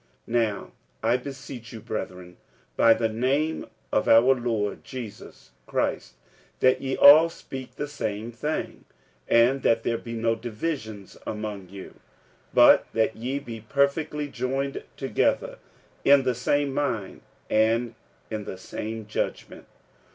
46:001:010 Now I beseech you, brethren, by the name of our Lord Jesus Christ, that ye all speak the same thing, and that there be no divisions among you; but that ye be perfectly joined together in the same mind and in the same judgment.